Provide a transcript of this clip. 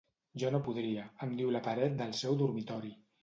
Jo no podria —em diu la paret del seu dormitori.